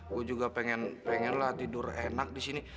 gue juga pengen lah tidur enak di sini